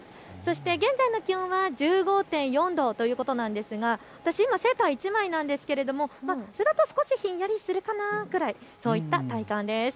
現在の気温は１５．４度ということなんですがセーター１枚ですがそれだと少しひんやりするかなといった体感です。